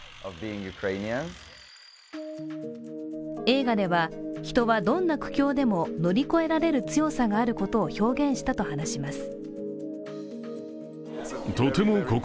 映画では、人はどんな苦境でも乗り越えられる強さがあることを表現したと話します。